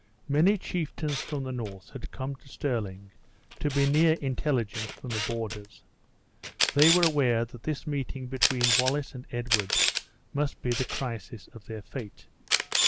Many chieftains from the north had come to Stirling, to be near intelligence from the borders. They were aware that this meeting between Wallace and Edward must be the crisis of their fate.